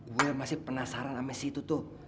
gue masih penasaran sama si itu tuh